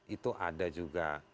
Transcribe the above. itu ada juga